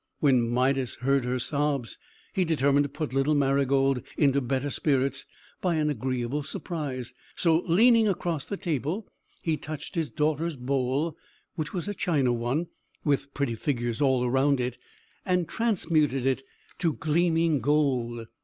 When Midas heard her sobs, he determined to put little Marygold into better spirits, by an agreeable surprise; so, leaning across the table, he touched his daughter's bowl (which was a china one, with pretty figures all around it), and transmuted it to gleaming gold.